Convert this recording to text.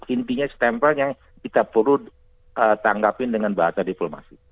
intinya stempel yang kita perlu tanggapin dengan bahasa diplomasi